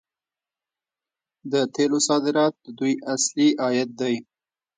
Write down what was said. د تیلو صادرات د دوی اصلي عاید دی.